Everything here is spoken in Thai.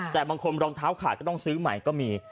แต่บางคนรองเท้าขาดก็ต้องซื้อใหม่ก็มี